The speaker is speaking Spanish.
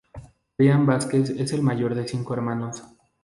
Bryan Vásquez es el mayor de cinco hermanos.